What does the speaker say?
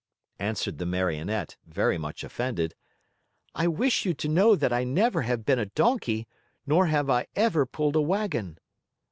answered the Marionette, very much offended. "I wish you to know that I never have been a donkey, nor have I ever pulled a wagon."